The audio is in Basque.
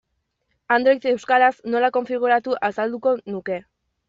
Android euskaraz nola konfiguratu azalduko nuke.